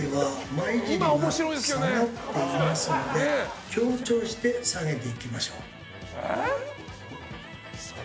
眉毛は、下がっていますので強調して下げていきましょう。